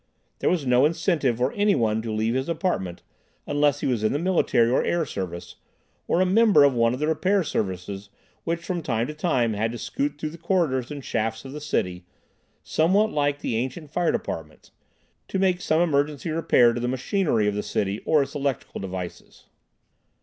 There was no incentive for anyone to leave his apartment unless he was in the military or air service, or a member of one of the repair services which from time to time had to scoot through the corridors and shafts of the city, somewhat like the ancient fire departments, to make some emergency repair to the machinery of the city or its electrical devices.